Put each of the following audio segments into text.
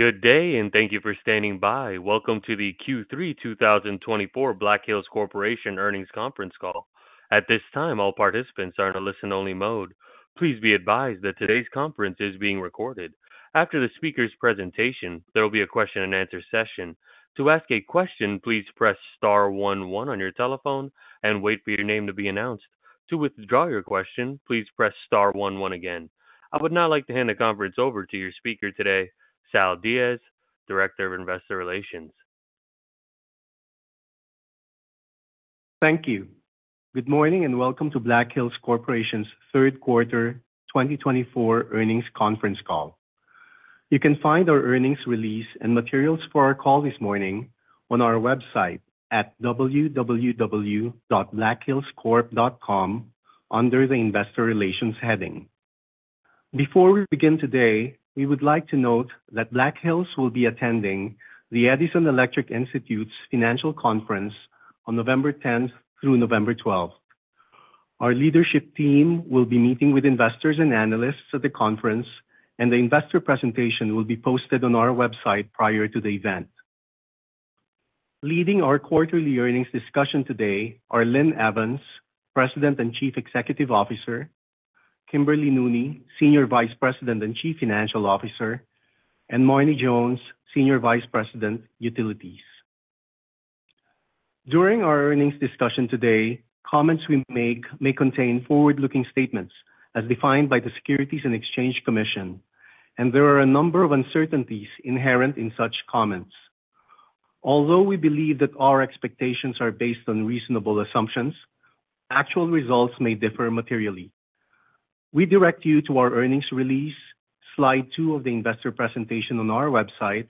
Good day, and thank you for standing by. Welcome to the Q3 2024 Black Hills Corporation earnings conference call. At this time, all participants are in a listen-only mode. Please be advised that today's conference is being recorded. After the speaker's presentation, there will be a question-and-answer session. To ask a question, please press star one one on your telephone and wait for your name to be announced. To withdraw your question, please press star one one again. I would now like to hand the conference over to your speaker today, Sal Diaz, Director of Investor Relations. Thank you. Good morning and welcome to Black Hills Corporation's Third Quarter 2024 earnings conference call. You can find our earnings release and materials for our call this morning on our website at www.blackhillscorp.com under the Investor Relations heading. Before we begin today, we would like to note that Black Hills will be attending the Edison Electric Institute's financial conference on November 10th through November 12th. Our leadership team will be meeting with investors and analysts at the conference, and the investor presentation will be posted on our website prior to the event. Leading our quarterly earnings discussion today are Linn Evans, President and Chief Executive Officer, Kimberly Nooney, Senior Vice President and Chief Financial Officer, and Marne Jones, Senior Vice President, Utilities. During our earnings discussion today, comments we make may contain forward-looking statements, as defined by the Securities and Exchange Commission, and there are a number of uncertainties inherent in such comments. Although we believe that our expectations are based on reasonable assumptions, actual results may differ materially. We direct you to our earnings release, slide two of the investor presentation on our website,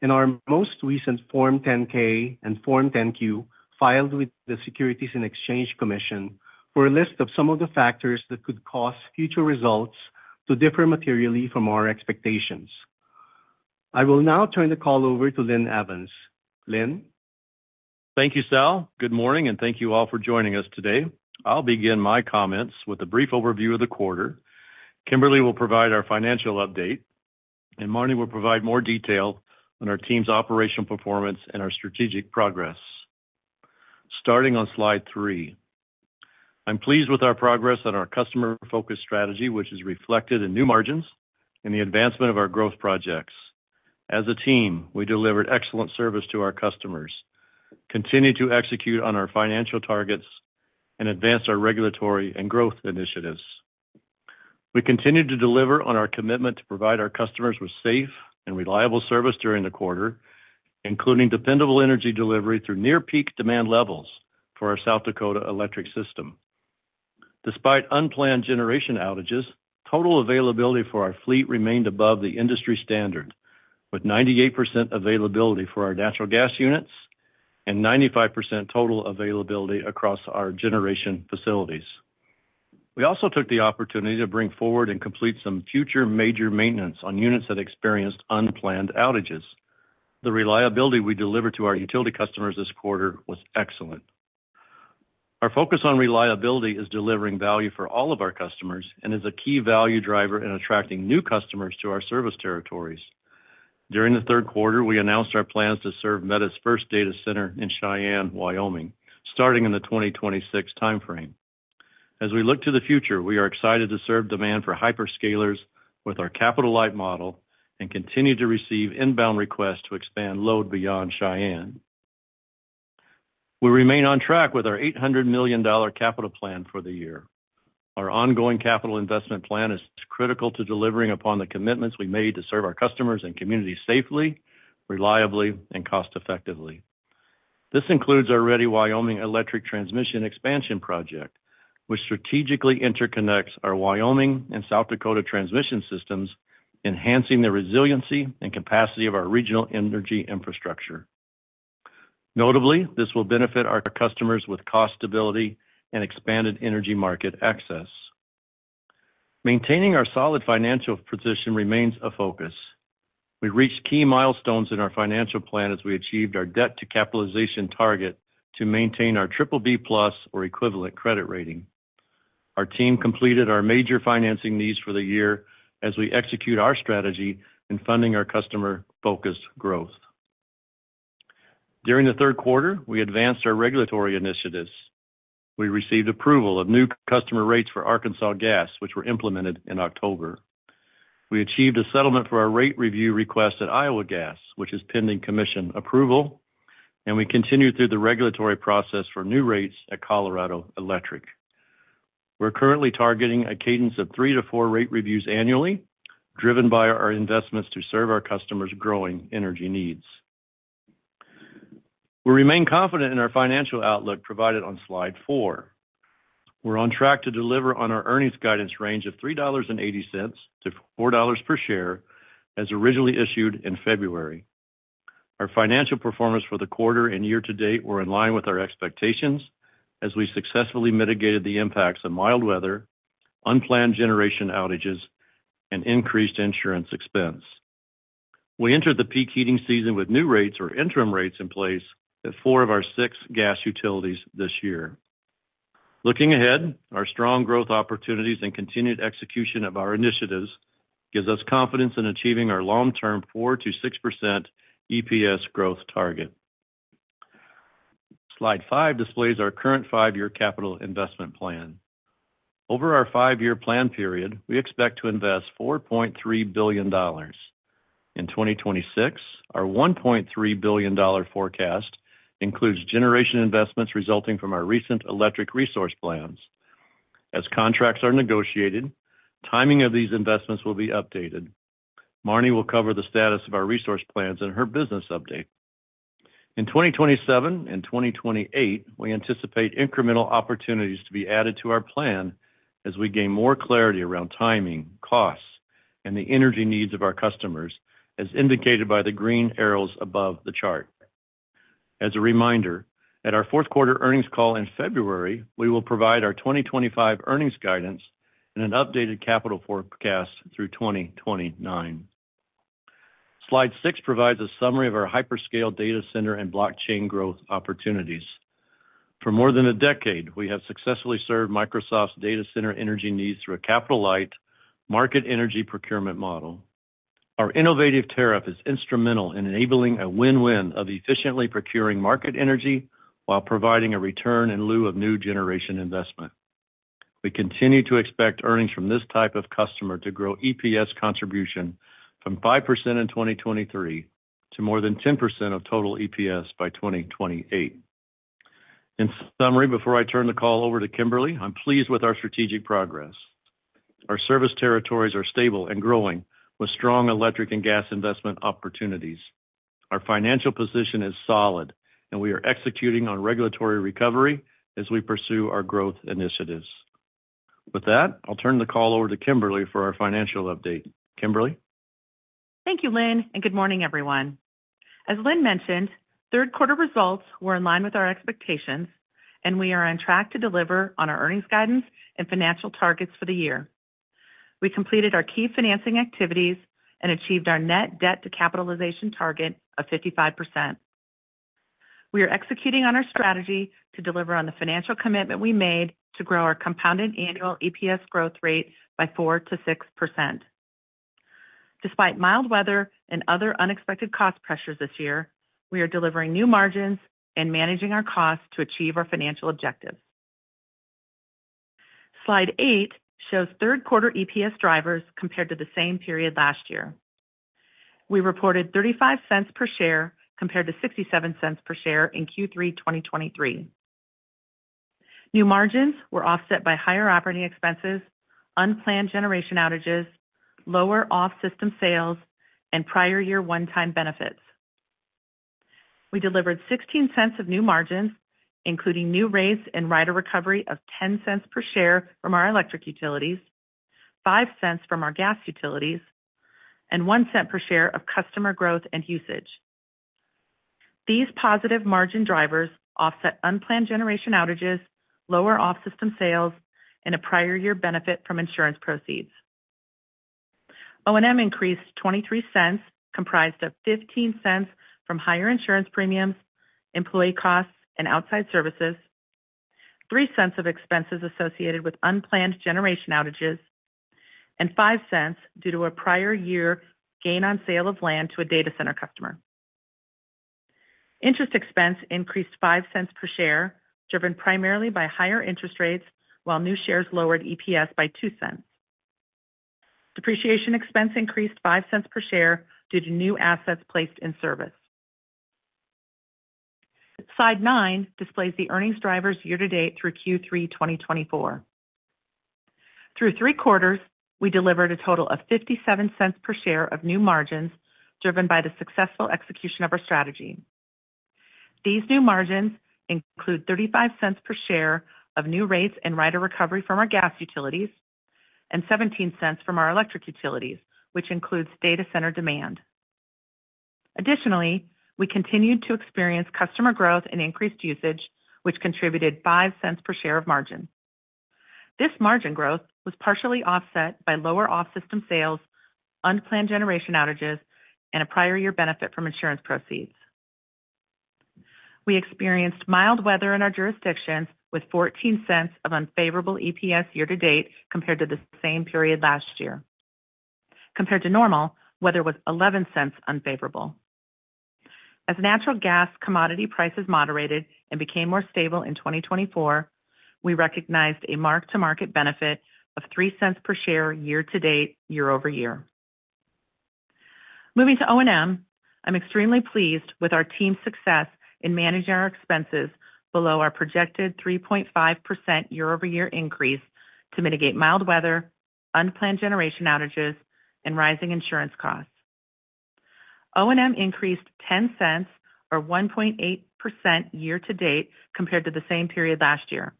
and our most recent Form 10-K and Form 10-Q filed with the Securities and Exchange Commission for a list of some of the factors that could cause future results to differ materially from our expectations. I will now turn the call over to Linn Evans. Linn. Thank you, Sal. Good morning, and thank you all for joining us today. I'll begin my comments with a brief overview of the quarter. Kimberly will provide our financial update, and Marne will provide more detail on our team's operational performance and our strategic progress. Starting on slide three, I'm pleased with our progress on our customer-focused strategy, which is reflected in new margins and the advancement of our growth projects. As a team, we delivered excellent service to our customers, continue to execute on our financial targets, and advance our regulatory and growth initiatives. We continue to deliver on our commitment to provide our customers with safe and reliable service during the quarter, including dependable energy delivery through near-peak demand levels for our South Dakota electric system. Despite unplanned generation outages, total availability for our fleet remained above the industry standard, with 98% availability for our natural gas units and 95% total availability across our generation facilities. We also took the opportunity to bring forward and complete some future major maintenance on units that experienced unplanned outages. The reliability we delivered to our utility customers this quarter was excellent. Our focus on reliability is delivering value for all of our customers and is a key value driver in attracting new customers to our service territories. During the third quarter, we announced our plans to serve Meta's first data center in Cheyenne, Wyoming, starting in the 2026 timeframe. As we look to the future, we are excited to serve demand for hyperscalers with our capital light model and continue to receive inbound requests to expand load beyond Cheyenne. We remain on track with our $800 million capital plan for the year. Our ongoing capital investment plan is critical to delivering upon the commitments we made to serve our customers and community safely, reliably, and cost-effectively. This includes our Ready Wyoming electric transmission expansion project, which strategically interconnects our Wyoming and South Dakota transmission systems, enhancing the resiliency and capacity of our regional energy infrastructure. Notably, this will benefit our customers with cost stability and expanded energy market access. Maintaining our solid financial position remains a focus. We reached key milestones in our financial plan as we achieved our debt-to-capitalization target to maintain our BBB-plus or equivalent credit rating. Our team completed our major financing needs for the year as we execute our strategy in funding our customer-focused growth. During the third quarter, we advanced our regulatory initiatives. We received approval of new customer rates for Arkansas Gas, which were implemented in October. We achieved a settlement for our rate review request at Iowa Gas, which is pending commission approval, and we continued through the regulatory process for new rates at Colorado Electric. We're currently targeting a cadence of three to four rate reviews annually, driven by our investments to serve our customers' growing energy needs. We remain confident in our financial outlook provided on slide four. We're on track to deliver on our earnings guidance range of $3.80-$4 per share, as originally issued in February. Our financial performance for the quarter and year to date were in line with our expectations as we successfully mitigated the impacts of mild weather, unplanned generation outages, and increased insurance expense. We entered the peak heating season with new rates or interim rates in place at four of our six gas utilities this year. Looking ahead, our strong growth opportunities and continued execution of our initiatives give us confidence in achieving our long-term 4%-6% EPS growth target. Slide five displays our current five-year capital investment plan. Over our five-year plan period, we expect to invest $4.3 billion. In 2026, our $1.3 billion forecast includes generation investments resulting from our recent electric resource plans. As contracts are negotiated, timing of these investments will be updated. Marne will cover the status of our resource plans in her business update. In 2027 and 2028, we anticipate incremental opportunities to be added to our plan as we gain more clarity around timing, costs, and the energy needs of our customers, as indicated by the green arrows above the chart. As a reminder, at our fourth quarter earnings call in February, we will provide our 2025 earnings guidance and an updated capital forecast through 2029. Slide six provides a summary of our hyperscale data center and blockchain growth opportunities. For more than a decade, we have successfully served Microsoft's data center energy needs through a capital light market energy procurement model. Our innovative tariff is instrumental in enabling a win-win of efficiently procuring market energy while providing a return in lieu of new generation investment. We continue to expect earnings from this type of customer to grow EPS contribution from 5% in 2023 to more than 10% of total EPS by 2028. In summary, before I turn the call over to Kimberly, I'm pleased with our strategic progress. Our service territories are stable and growing with strong electric and gas investment opportunities. Our financial position is solid, and we are executing on regulatory recovery as we pursue our growth initiatives. With that, I'll turn the call over to Kimberly for our financial update. Kimberly. Thank you, Linn, and good morning, everyone. As Linn mentioned, third quarter results were in line with our expectations, and we are on track to deliver on our earnings guidance and financial targets for the year. We completed our key financing activities and achieved our net debt-to-capitalization target of 55%. We are executing on our strategy to deliver on the financial commitment we made to grow our compounded annual EPS growth rate by 4%-6%. Despite mild weather and other unexpected cost pressures this year, we are delivering new margins and managing our costs to achieve our financial objectives. Slide eight shows third quarter EPS drivers compared to the same period last year. We reported $0.35 per share compared to $0.67 per share in Q3 2023. New margins were offset by higher operating expenses, unplanned generation outages, lower off-system sales, and prior year one-time benefits. We delivered $0.16 of new margins, including new rates and rider recovery of $0.10 per share from our electric utilities, $0.05 from our gas utilities, and $0.01 per share of customer growth and usage. These positive margin drivers offset unplanned generation outages, lower off-system sales, and a prior year benefit from insurance proceeds. O&M increased $0.23, comprised of $0.15 from higher insurance premiums, employee costs, and outside services, $0.03 of expenses associated with unplanned generation outages, and $0.05 due to a prior year gain on sale of land to a data center customer. Interest expense increased $0.05 per share, driven primarily by higher interest rates, while new shares lowered EPS by $0.02. Depreciation expense increased $0.05 per share due to new assets placed in service. Slide nine displays the earnings drivers year to date through Q3 2024. Through three quarters, we delivered a total of $0.57 per share of new margins driven by the successful execution of our strategy. These new margins include $0.35 per share of new rates and rider recovery from our gas utilities and $0.17 from our electric utilities, which includes data center demand. Additionally, we continued to experience customer growth and increased usage, which contributed $0.05 per share of margin. This margin growth was partially offset by lower off-system sales, unplanned generation outages, and a prior year benefit from insurance proceeds. We experienced mild weather in our jurisdictions with $0.14 of unfavorable EPS year to date compared to the same period last year. Compared to normal, weather was $0.11 unfavorable. As natural gas commodity prices moderated and became more stable in 2024, we recognized a mark-to-market benefit of $0.03 per share year to date, year-over-year. Moving to O&M, I'm extremely pleased with our team's success in managing our expenses below our projected 3.5% year-over-year increase to mitigate mild weather, unplanned generation outages, and rising insurance costs. O&M increased $0.10 or 1.8% year to date compared to the same period last year.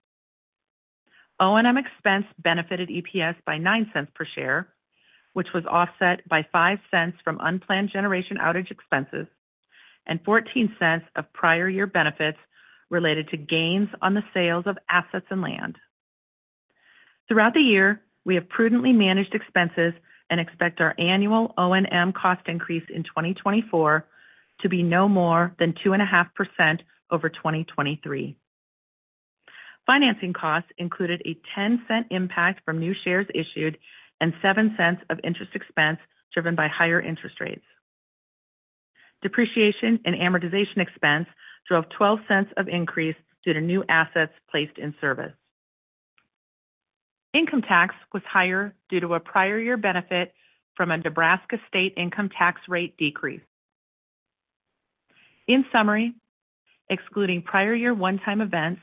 O&M expense benefited EPS by $0.09 per share, which was offset by $0.05 from unplanned generation outage expenses and $0.14 of prior year benefits related to gains on the sales of assets and land. Throughout the year, we have prudently managed expenses and expect our annual O&M cost increase in 2024 to be no more than 2.5% over 2023. Financing costs included a $0.10 impact from new shares issued and $0.07 of interest expense driven by higher interest rates. Depreciation and amortization expense drove $0.12 of increase due to new assets placed in service. Income tax was higher due to a prior year benefit from a Nebraska state income tax rate decrease. In summary, excluding prior year one-time events,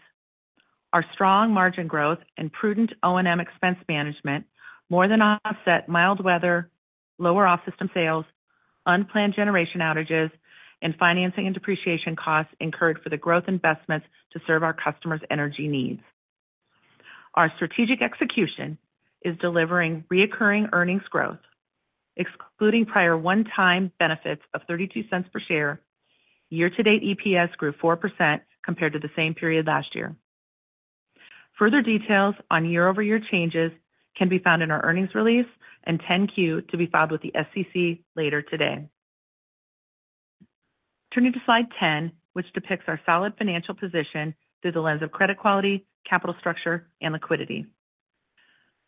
our strong margin growth and prudent O&M expense management more than offset mild weather, lower off-system sales, unplanned generation outages, and financing and depreciation costs incurred for the growth investments to serve our customers' energy needs. Our strategic execution is delivering recurring earnings growth, excluding prior one-time benefits of $0.32 per share. Year-to-date EPS grew 4% compared to the same period last year. Further details on year-over-year changes can be found in our earnings release and 10-Q to be filed with the SEC later today. Turning to slide 10, which depicts our solid financial position through the lens of credit quality, capital structure, and liquidity.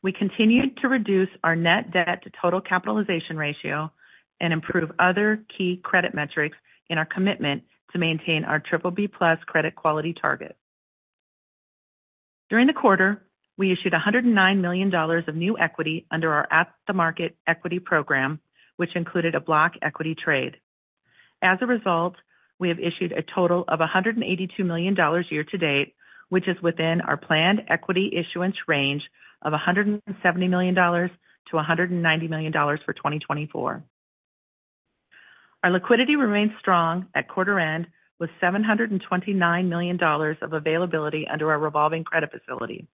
We continued to reduce our net debt-to-total capitalization ratio and improve other key credit metrics in our commitment to maintain our BBB-plus credit quality target. During the quarter, we issued $109 million of new equity under our At-the-Market Equity program, which included a block equity trade. As a result, we have issued a total of $182 million year to date, which is within our planned equity issuance range of $170 million-$190 million for 2024. Our liquidity remains strong at quarter end with $729 million of availability under our revolving credit facility.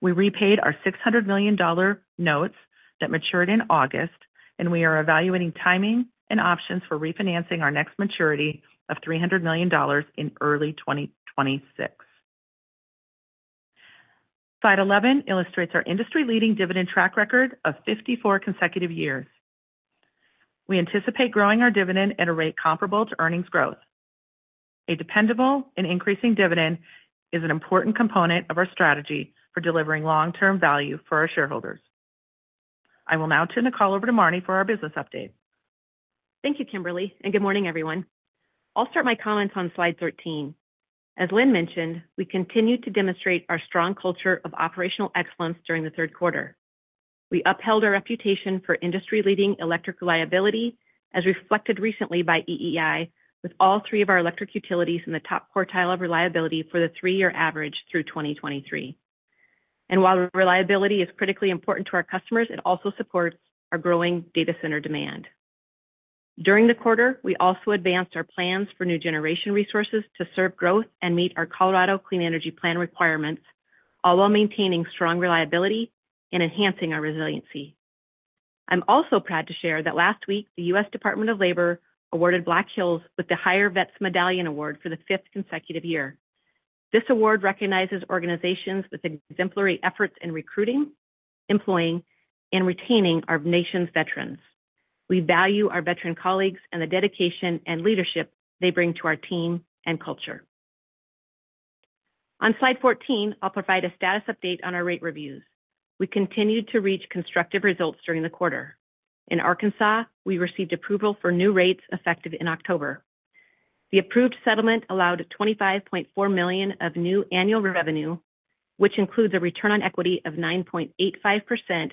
We repaid our $600 million notes that matured in August, and we are evaluating timing and options for refinancing our next maturity of $300 million in early 2026. Slide 11 illustrates our industry-leading dividend track record of 54 consecutive years. We anticipate growing our dividend at a rate comparable to earnings growth. A dependable and increasing dividend is an important component of our strategy for delivering long-term value for our shareholders. I will now turn the call over to Marne for our business update. Thank you, Kimberly, and good morning, everyone. I'll start my comments on slide 13. As Linn mentioned, we continue to demonstrate our strong culture of operational excellence during the third quarter. We upheld our reputation for industry-leading electric reliability, as reflected recently by EEI, with all three of our electric utilities in the top quartile of reliability for the three-year average through 2023. And while reliability is critically important to our customers, it also supports our growing data center demand. During the quarter, we also advanced our plans for new generation resources to serve growth and meet our Colorado Clean Energy Plan requirements, all while maintaining strong reliability and enhancing our resiliency. I'm also proud to share that last week, the U.S. Department of Labor awarded Black Hills with the HIRE Vets Medallion Award for the fifth consecutive year. This award recognizes organizations with exemplary efforts in recruiting, employing, and retaining our nation's veterans. We value our veteran colleagues and the dedication and leadership they bring to our team and culture. On slide 14, I'll provide a status update on our rate reviews. We continued to reach constructive results during the quarter. In Arkansas, we received approval for new rates effective in October. The approved settlement allowed $25.4 million of new annual revenue, which includes a return on equity of 9.85%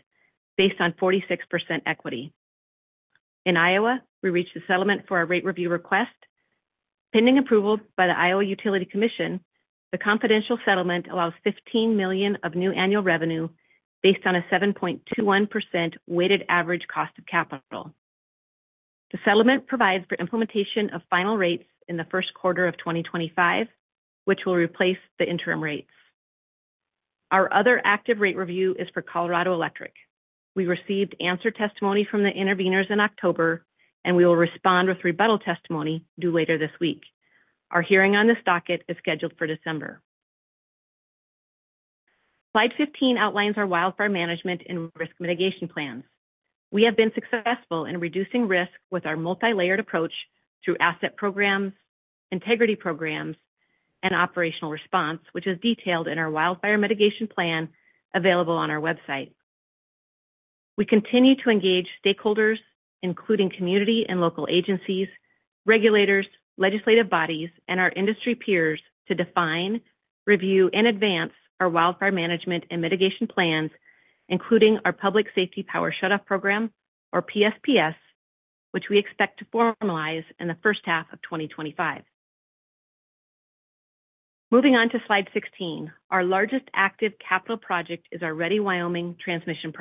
based on 46% equity. In Iowa, we reached a settlement for our rate review request. Pending approval by the Iowa Utilities Commission, the confidential settlement allows $15 million of new annual revenue based on a 7.21% weighted average cost of capital. The settlement provides for implementation of final rates in the first quarter of 2025, which will replace the interim rates. Our other active rate review is for Colorado Electric. We received answer testimony from the interveners in October, and we will respond with rebuttal testimony due later this week. Our hearing on this docket is scheduled for December. Slide 15 outlines our wildfire management and risk mitigation plans. We have been successful in reducing risk with our multi-layered approach through asset programs, integrity programs, and operational response, which is detailed in our wildfire mitigation plan available on our website. We continue to engage stakeholders, including community and local agencies, regulators, legislative bodies, and our industry peers to define, review, and advance our wildfire management and mitigation plans, including our Public Safety Power Shutoff Program, or PSPS, which we expect to formalize in the first half of 2025. Moving on to slide 16, our largest active capital project is our Ready Wyoming transmission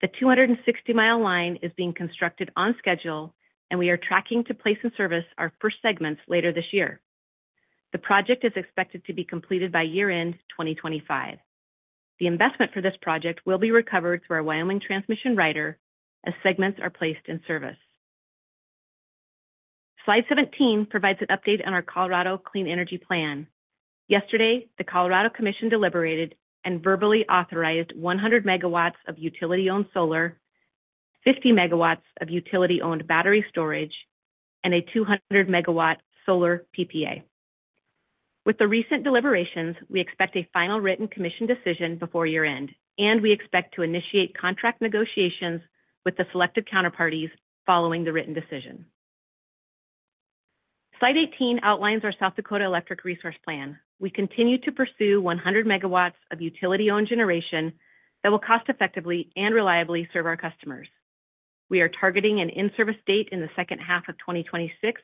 project. The 260-mile line is being constructed on schedule, and we are tracking to place in service our first segments later this year. The project is expected to be completed by year-end 2025. The investment for this project will be recovered through our Wyoming transmission rider as segments are placed in service. Slide 17 provides an update on our Colorado Clean Energy Plan. Yesterday, the Colorado Commission deliberated and verbally authorized 100 megawatts of utility-owned solar, 50 megawatts of utility-owned battery storage, and a 200-megawatt solar PPA. With the recent deliberations, we expect a final written commission decision before year-end, and we expect to initiate contract negotiations with the selected counterparties following the written decision. Slide 18 outlines our South Dakota Electric Resource Plan. We continue to pursue 100 megawatts of utility-owned generation that will cost-effectively and reliably serve our customers. We are targeting an in-service date in the second half of 2026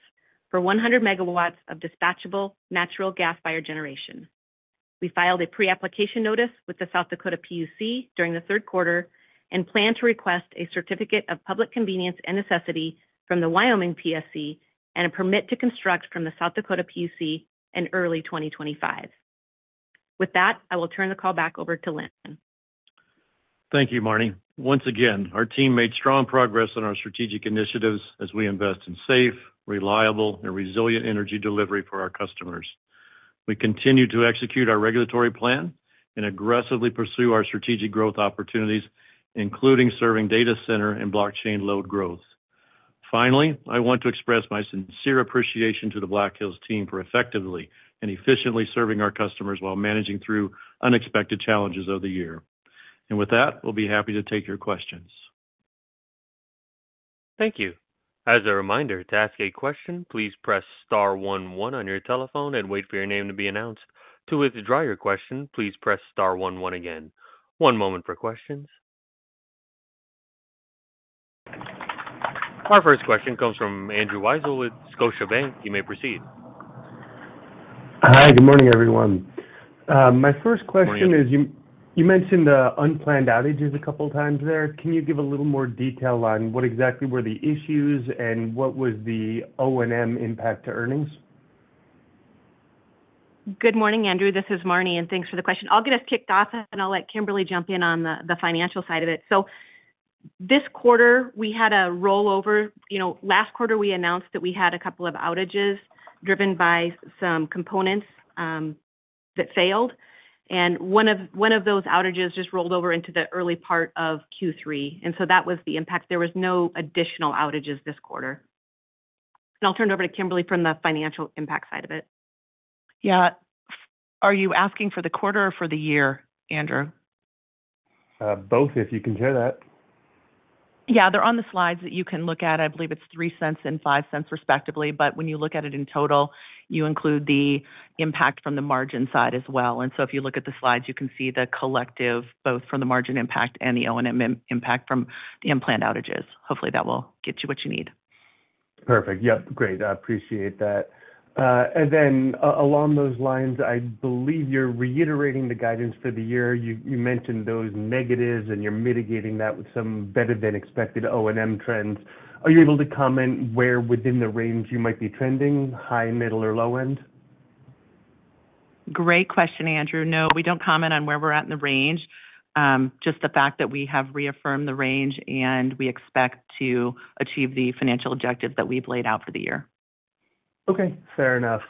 for 100 megawatts of dispatchable natural gas-fired generation. We filed a pre-application notice with the South Dakota PUC during the third quarter and plan to request a certificate of public convenience and necessity from the Wyoming PSC and a permit to construct from the South Dakota PUC in early 2025. With that, I will turn the call back over to Linn. Thank you, Marne. Once again, our team made strong progress on our strategic initiatives as we invest in safe, reliable, and resilient energy delivery for our customers. We continue to execute our regulatory plan and aggressively pursue our strategic growth opportunities, including serving data center and blockchain load growth. Finally, I want to express my sincere appreciation to the Black Hills team for effectively and efficiently serving our customers while managing through unexpected challenges of the year. And with that, we'll be happy to take your questions. Thank you. As a reminder, to ask a question, please press star one one on your telephone and wait for your name to be announced. To withdraw your question, please press star one one again. One moment for questions. Our first question comes from Andrew Weisel with Scotiabank. You may proceed. Hi, good morning, everyone. My first question is, you mentioned unplanned outages a couple of times there. Can you give a little more detail on what exactly were the issues and what was the O&M impact to earnings? Good morning, Andrew. This is Marne, and thanks for the question. I'll get us kicked off, and I'll let Kimberly jump in on the financial side of it. So this quarter, we had a rollover. Last quarter, we announced that we had a couple of outages driven by some components that failed. And one of those outages just rolled over into the early part of Q3. And so that was the impact. There were no additional outages this quarter. And I'll turn it over to Kimberly from the financial impact side of it. Yeah. Are you asking for the quarter or for the year, Andrew? Both, if you can share that. Yeah. They're on the slides that you can look at. I believe it's $0.03 and $0.05, respectively. But when you look at it in total, you include the impact from the margin side as well. And so if you look at the slides, you can see the collective, both from the margin impact and the O&M impact from the unplanned outages. Hopefully, that will get you what you need. Perfect. Yep. Great. I appreciate that. And then along those lines, I believe you're reiterating the guidance for the year. You mentioned those negatives, and you're mitigating that with some better-than-expected O&M trends. Are you able to comment where within the range you might be trending? High, middle, or low end? Great question, Andrew. No, we don't comment on where we're at in the range. Just the fact that we have reaffirmed the range, and we expect to achieve the financial objectives that we've laid out for the year. Okay. Fair enough.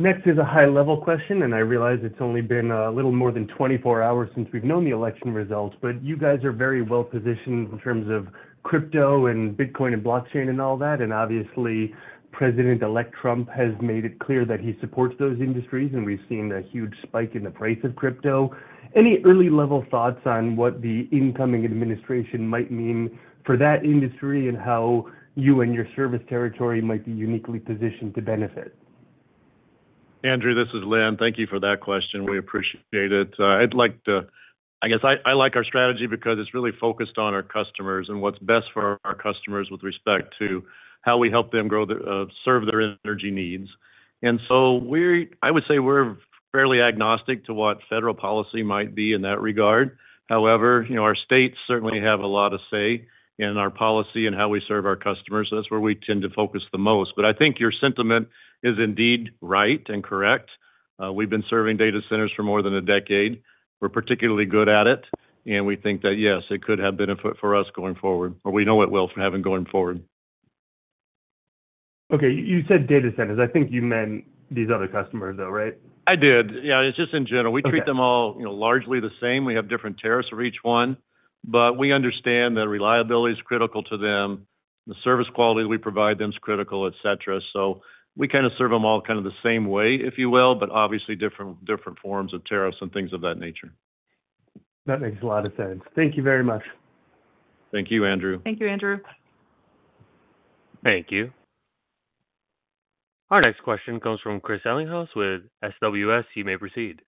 Next is a high-level question, and I realize it's only been a little more than 24 hours since we've known the election results, but you guys are very well-positioned in terms of crypto and Bitcoin and blockchain and all that. And obviously, President-elect Trump has made it clear that he supports those industries, and we've seen a huge spike in the price of crypto. Any early-level thoughts on what the incoming administration might mean for that industry and how you and your service territory might be uniquely positioned to benefit? Andrew, this is Linn. Thank you for that question. We appreciate it. I guess I like our strategy because it's really focused on our customers and what's best for our customers with respect to how we help them serve their energy needs. And so I would say we're fairly agnostic to what federal policy might be in that regard. However, our states certainly have a lot of say in our policy and how we serve our customers. That's where we tend to focus the most. But I think your sentiment is indeed right and correct. We've been serving data centers for more than a decade. We're particularly good at it, and we think that, yes, it could have benefit for us going forward, or we know it will for having going forward. Okay. You said data centers. I think you meant these other customers, though, right? I did. Yeah. It's just in general. We treat them all largely the same. We have different tariffs for each one, but we understand that reliability is critical to them. The service quality that we provide them is critical, etc. So we kind of serve them all kind of the same way, if you will, but obviously different forms of tariffs and things of that nature. That makes a lot of sense. Thank you very much. Thank you, Andrew. Thank you, Andrew. Thank you. Our next question comes from Chris Ellinghaus with SWS. You may proceed.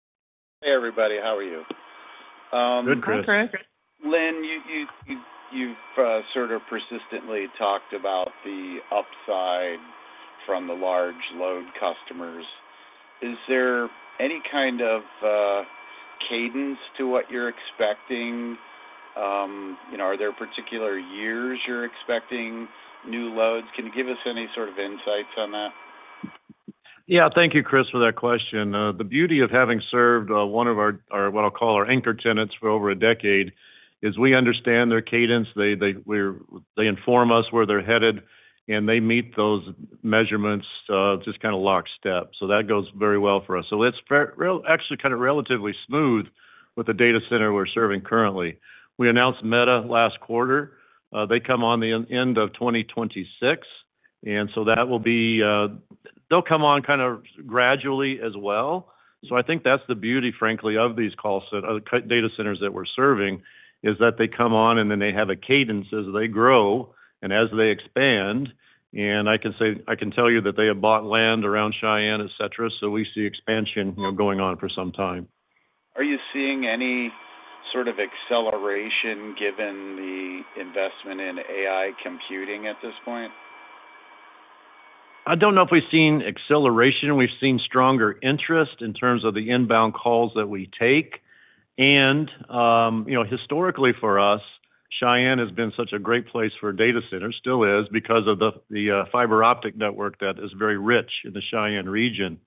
Hey, everybody. How are you? Good, Chris. Linn, you've sort of persistently talked about the upside from the large load customers. Is there any kind of cadence to what you're expecting? Are there particular years you're expecting new loads? Can you give us any sort of insights on that? Yeah. Thank you, Chris, for that question. The beauty of having served one of our what I'll call our anchor tenants for over a decade is we understand their cadence. They inform us where they're headed, and they meet those measurements just kind of lock step. So that goes very well for us. So it's actually kind of relatively smooth with the data center we're serving currently. We announced Meta last quarter. They come on the end of 2026. And so that will be they'll come on kind of gradually as well. So I think that's the beauty, frankly, of these data centers that we're serving is that they come on, and then they have a cadence as they grow and as they expand. And I can tell you that they have bought land around Cheyenne, etc. So we see expansion going on for some time. Are you seeing any sort of acceleration given the investment in AI computing at this point? I don't know if we've seen acceleration. We've seen stronger interest in terms of the inbound calls that we take. And historically for us, Cheyenne has been such a great place for data centers, still is, because of the fiber optic network that is very rich in the Cheyenne region.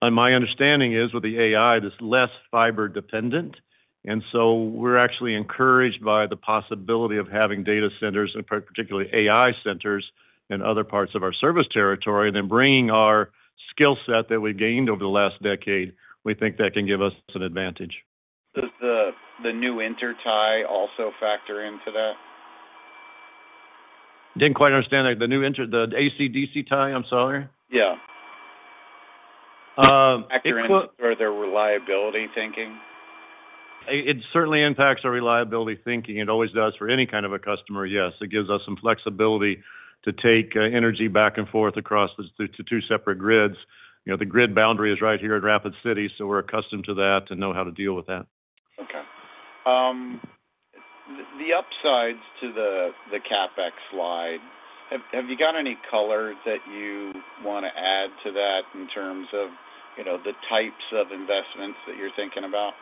My understanding is with the AI, it's less fiber dependent. And so we're actually encouraged by the possibility of having data centers, particularly AI centers in other parts of our service territory, and then bringing our skill set that we've gained over the last decade. We think that can give us an advantage. Does the new intertie also factor into that? Didn't quite understand that. The new AC/DC tie, I'm sorry? Yeah. Factor into their reliability thinking? It certainly impacts our reliability thinking. It always does for any kind of a customer, yes. It gives us some flexibility to take energy back and forth across the two separate grids. The grid boundary is right here at Rapid City, so we're accustomed to that and know how to deal with that. Okay. The upsides to the CapEx slide, have you got any color that you want to add to that in terms of the types of investments that you're thinking about?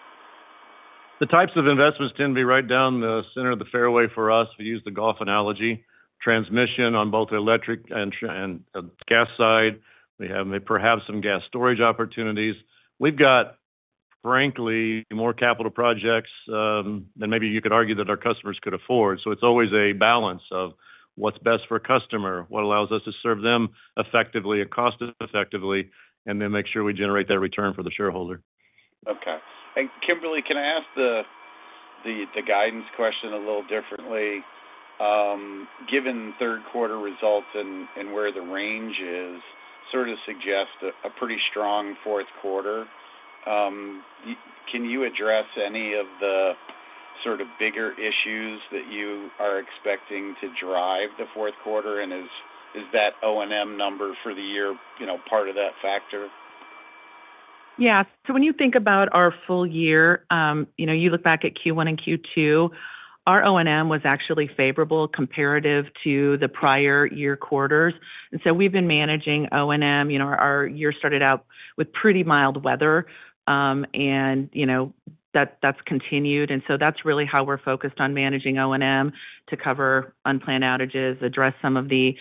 The types of investments tend to be right down the center of the fairway for us. We use the Gulf analogy: transmission on both the electric and gas side. We have perhaps some gas storage opportunities. We've got, frankly, more capital projects than maybe you could argue that our customers could afford. So it's always a balance of what's best for a customer, what allows us to serve them effectively and cost-effectively, and then make sure we generate that return for the shareholder. Okay. And Kimberly, can I ask the guidance question a little differently? Given third-quarter results and where the range is, sort of suggests a pretty strong fourth quarter. Can you address any of the sort of bigger issues that you are expecting to drive the fourth quarter? And is that O&M number for the year part of that factor? Yeah. So when you think about our full year, you look back at Q1 and Q2, our O&M was actually favorable comparative to the prior year quarters. And so we've been managing O&M. Our year started out with pretty mild weather, and that's continued. And so that's really how we're focused on managing O&M to cover unplanned outages, address some of the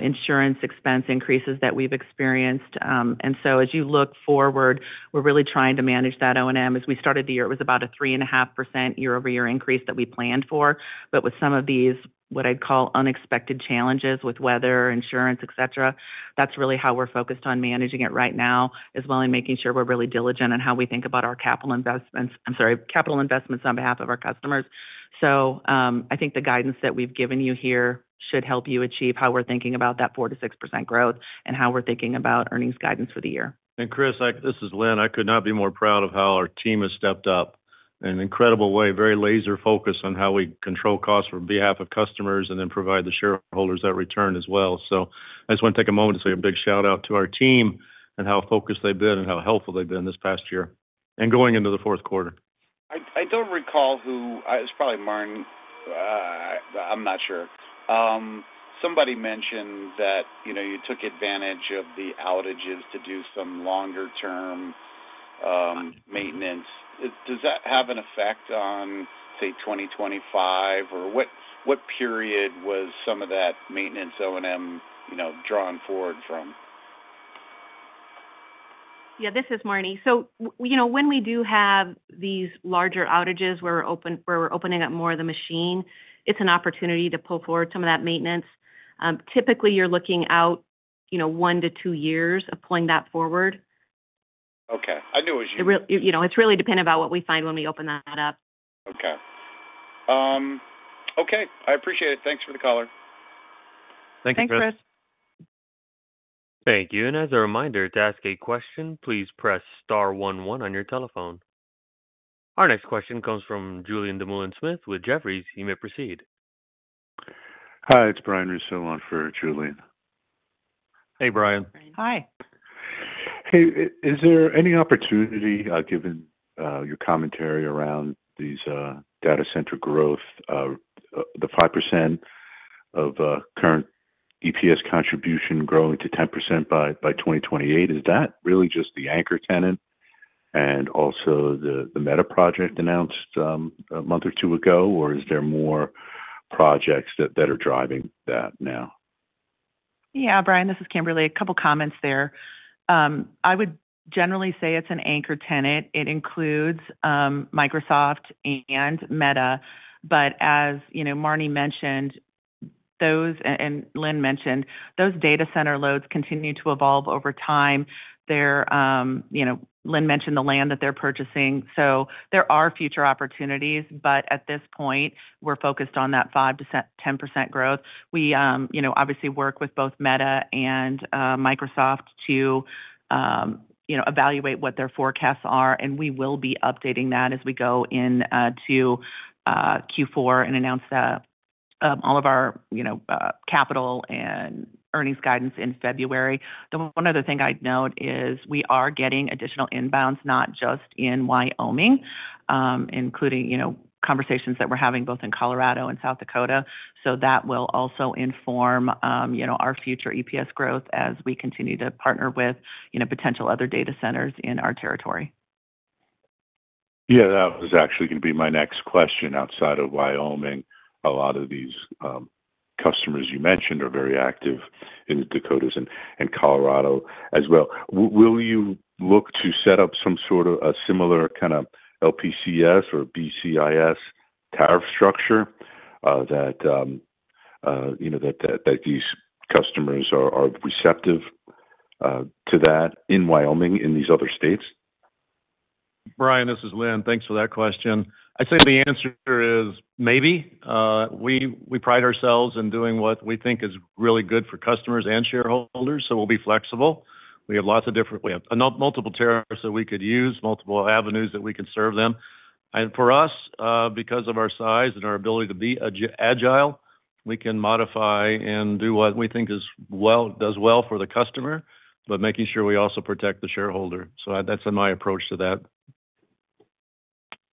insurance expense increases that we've experienced. And so as you look forward, we're really trying to manage that O&M. As we started the year, it was about a 3.5% year-over-year increase that we planned for. But with some of these what I'd call unexpected challenges with weather, insurance, etc., that's really how we're focused on managing it right now as well and making sure we're really diligent in how we think about our capital investments. I'm sorry, capital investments on behalf of our customers. So I think the guidance that we've given you here should help you achieve how we're thinking about that 4%-6% growth and how we're thinking about earnings guidance for the year. And Chris, this is Linn. I could not be more proud of how our team has stepped up in an incredible way, very laser-focused on how we control costs on behalf of customers and then provide the shareholders that return as well. So I just want to take a moment to say a big shout-out to our team and how focused they've been and how helpful they've been this past year and going into the fourth quarter. I don't recall who. It's probably Marne. I'm not sure. Somebody mentioned that you took advantage of the outages to do some longer-term maintenance. Does that have an effect on, say, 2025? Or what period was some of that maintenance O&M drawn forward from? Yeah, this is Marne. So when we do have these larger outages where we're opening up more of the machine, it's an opportunity to pull forward some of that maintenance. Typically, you're looking out one to two years of pulling that forward. Okay. I knew it was you. It's really dependent on what we find when we open that up. Okay. Okay. I appreciate it. Thanks for the caller. Thanks, Chris. Thank you. As a reminder, to ask a question, please press star 11 on your telephone. Our next question comes from Julien Dumoulin-Smith with Jefferies. You may proceed. Hi, it's Brian Russo on for Julien. Hey, Brian. Hi. Hey. Is there any opportunity, given your commentary around these data center growth, the 5% of current EPS contribution growing to 10% by 2028? Is that really just the anchor tenant and also the Meta project announced a month or two ago, or is there more projects that are driving that now? Yeah, Brian, this is Kimberly. A couple of comments there. I would generally say it's an anchor tenant. It includes Microsoft and Meta. But as Marne mentioned and Linn mentioned, those data center loads continue to evolve over time. Linn mentioned the land that they're purchasing. So there are future opportunities, but at this point, we're focused on that 5%-10% growth. We obviously work with both Meta and Microsoft to evaluate what their forecasts are, and we will be updating that as we go into Q4 and announce all of our capital and earnings guidance in February. One other thing I'd note is we are getting additional inbounds, not just in Wyoming, including conversations that we're having both in Colorado and South Dakota. So that will also inform our future EPS growth as we continue to partner with potential other data centers in our territory. Yeah, that was actually going to be my next question. Outside of Wyoming, a lot of these customers you mentioned are very active in Dakotas and Colorado as well. Will you look to set up some sort of a similar kind of LPCS or BCIS tariff structure that these customers are receptive to that in Wyoming, in these other states? Brian, this is Linn. Thanks for that question. I'd say the answer is maybe. We pride ourselves in doing what we think is really good for customers and shareholders, so we'll be flexible. We have lots of different multiple tariffs that we could use, multiple avenues that we can serve them. And for us, because of our size and our ability to be agile, we can modify and do what we think does well for the customer, but making sure we also protect the shareholder. So that's my approach to that.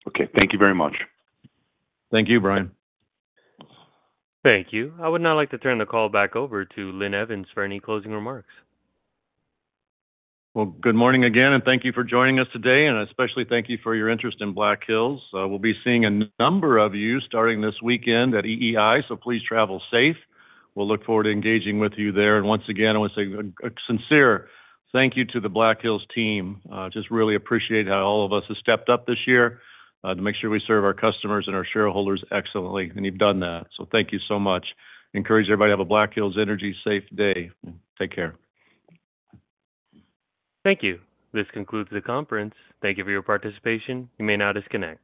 Okay. Thank you very much. Thank you, Brian. Thank you. I would now like to turn the call back over to Linn Evans for any closing remarks. Good morning again, and thank you for joining us today. I especially thank you for your interest in Black Hills. We'll be seeing a number of you starting this weekend at EEI, so please travel safe. We'll look forward to engaging with you there. Once again, I want to say a sincere thank you to the Black Hills team. Just really appreciate how all of us have stepped up this year to make sure we serve our customers and our shareholders excellently. You've done that. Thank you so much. Encourage everybody to have a Black Hills energy-safe day. Take care. Thank you. This concludes the conference. Thank you for your participation. You may now disconnect.